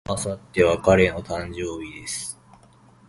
明後日は彼の誕生日です。